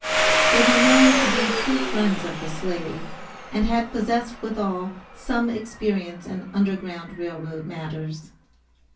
They were known to be true friends of the slave, and had possessed withal some experience in Underground Rail Road matters.